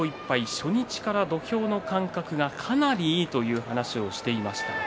初日から土俵の感覚がかなりいいという話をしていました。